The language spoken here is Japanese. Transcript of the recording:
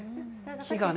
木がね。